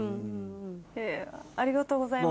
ありがとうございます。